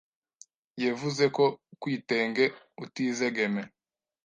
yevuze ko kwitenge utizegem